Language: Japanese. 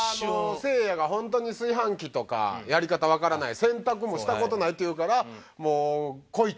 せいやが本当に炊飯器とかやり方わからない洗濯もした事ないっていうからもう来いと。